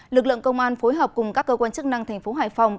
lực lượng công an phối hợp cùng các cơ quan chức năng thành phố hải phòng